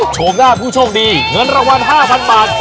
ชมหน้าผู้โชคดีเงินรางวัล๕๐๐๐บาท